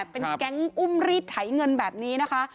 เป็นแก๊งอุ้มรีดไถเงินแบบนี้นะคะ